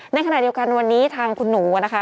ในขณะเดียวกันวันนี้ทางคุณหนูนะคะ